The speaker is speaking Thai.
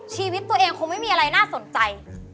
ชีวิตตัวเองคงไม่มีอะไรน่าสนใจ